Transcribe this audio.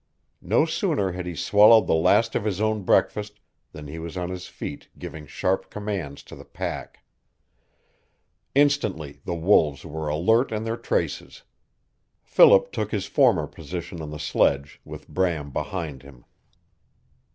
No sooner had he swallowed the last of his own breakfast than he was on his feet giving sharp commands to the pack. Instantly the wolves were alert in their traces. Philip took his former position on the sledge, with Bram behind him.